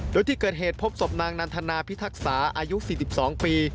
โดยที่เกิดเหตุพบศพนางนานธนาพิทักษาอายุสิบสิบสองปี